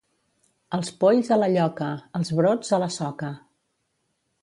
Els polls, a la lloca; els brots, a la soca.